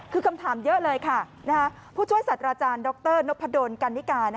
คือคำถามเยอะเลยค่ะผู้ช่วยสัตว์อาจารย์ดรนพดลกันนิกา